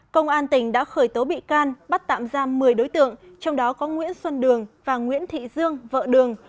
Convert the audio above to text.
công an tỉnh đã khởi tố bị can bắt tạm giam một mươi đối tượng trong đó có nguyễn xuân đường và nguyễn thị dương vợ đường